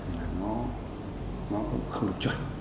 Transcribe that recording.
thì nó cũng không được chuẩn